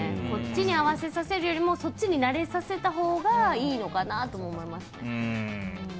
こっちに合わせさせるよりそっちに慣れさせたほうがいいのかなと思います。